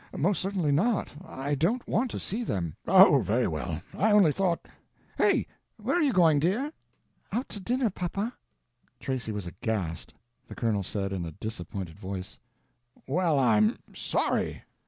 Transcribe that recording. Most certainly not. I don't want to see them." "O, very well. I only thought—hey, where are you going, dear?" "Out to dinner, papa." Tracy was aghast. The colonel said, in a disappointed voice: "Well, I'm sorry.